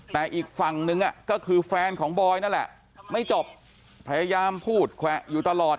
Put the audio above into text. แต่อีกฝั่งนึงก็คือแฟนของบอยนั่นแหละไม่จบพยายามพูดแขวะอยู่ตลอด